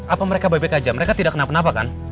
apa mereka bebek aja mereka tidak kenapa kenapa kan